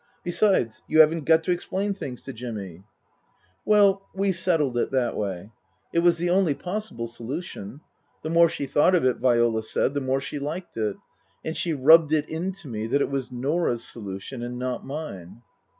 Besides you haven't got to explain things to Jimmy." Book II: Her Book 247 Well, we settled it that way. It was the only possible solution. The more she thought of it, Viola said, the more she liked it. And she rubbed it into me that it was Norah's solution, and not mine.